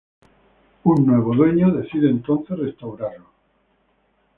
Un nuevo dueño decide entonces restaurarlo.